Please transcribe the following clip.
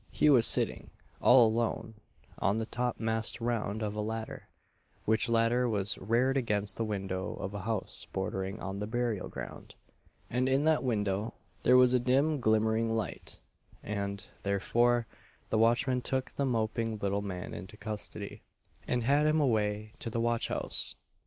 He was sitting, all alone, on the top mast round of a ladder; which ladder was reared against the window of a house bordering on the burial ground; and in that window there was a dim glimmering light; and, therefore, the watchmen took the moping little man into custody, and had him away to the watch house.